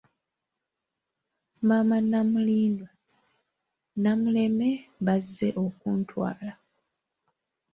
Maama Namulindwa, Namuleme bazze okuntwala